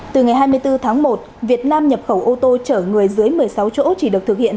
từ ngày hai mươi bốn tháng một việt nam nhập khẩu ô tô chở người dưới một mươi sáu chỗ chỉ được thực hiện